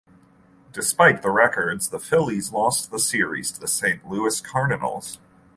Despite the records, the Phillies lost the series to the Saint Louis Cardinals.